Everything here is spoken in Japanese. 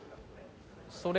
それ。